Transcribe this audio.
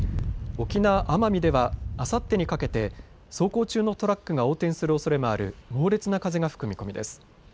沖縄、奄美ではあさってにかけて走行中のトラックが横転するおそれもある猛烈な風が吹く見込みです。